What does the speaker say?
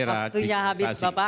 baik waktunya habis bapak